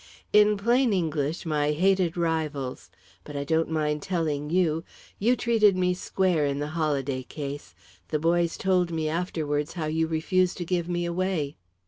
"In plain English, my hated rivals. But I don't mind telling you. You treated me square in the Holladay case. The boys told me afterwards how you refused to give me away."